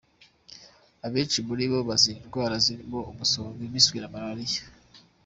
Abenshi muri bo bazira indwara zirimo umusonga, impiswi na Malaria.